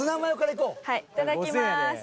はいいただきます。